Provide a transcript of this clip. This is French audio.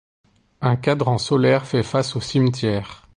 Un cadran solaire fait face au cimetière.